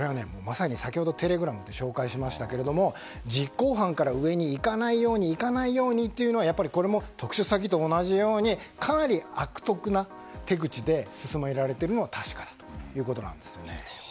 先ほど紹介しましたが実行犯から上に行かないようにというのは特殊詐欺と同じようにかなり悪徳な手口で進められているのは確かだということです。